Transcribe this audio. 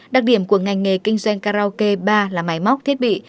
đặc điểm của ngành nghề kinh doanh karaoke ba là máy móc thiết bị